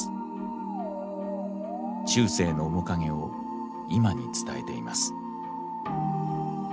中世の面影を今に伝えています。